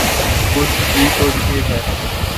وہ ثبوت اور یہ ہے۔